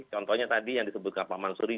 contohnya tadi yang disebutkan pak mansuri